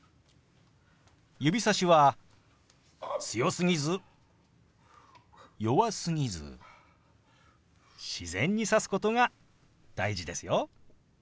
指さしは強すぎず弱すぎず自然に指すことが大事ですよ。